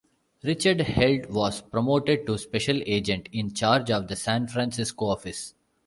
Richard Held was promoted to Special Agent in Charge of the San Francisco office.